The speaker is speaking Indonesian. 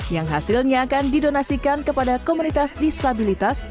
yang hasilnya akan didonasikan kepada komunitas disabilitas